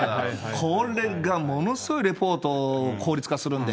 これがものすごいレポートを効率化するんで。